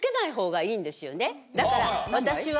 だから私は。